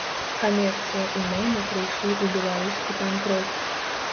Камерцыя і мода прыйшлі ў беларускі панк-рок.